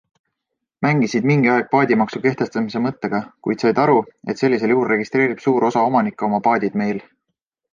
Mängisid mingi aeg paadimaksu kehtestamise mõttega, kuid said aru, et sellisel juhul registreerib suur osa omanikke oma paadid meil.